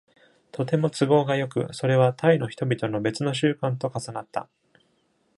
とても都合がよく、それはタイの人々の別の習慣と重なった。